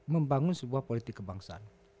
membangun sebuah politik kebangsaan